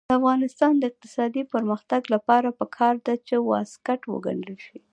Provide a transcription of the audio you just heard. د افغانستان د اقتصادي پرمختګ لپاره پکار ده چې واسکټ وګنډل شي.